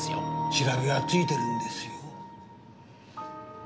調べはついてるんですよ。